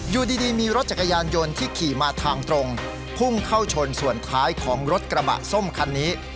อยู่ดีมีรถจักรยานยนต์ที่ขี่มาทางตรงพุ่งเข้าชนส่วนท้ายของรถกระบะส้มคันนี้